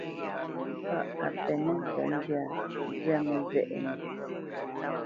Kâʼ a penə́ tsəndyâ, nzyá mə́zɛʼnə.